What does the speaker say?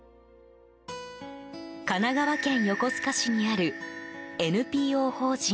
神奈川県横須賀市にあるＮＰＯ法人